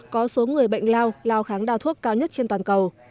có số người bệnh lao lao kháng đào thuốc cao nhất trên toàn cầu